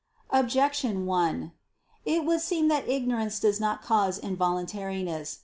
Objection 1: It would seem that ignorance does not cause involuntariness.